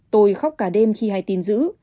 tôi khóc cả đêm khi hay tin giữ